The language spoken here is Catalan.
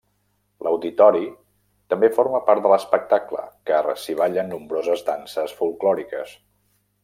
L'auditori també forma part de l'espectacle, car s'hi ballen nombroses danses folklòriques.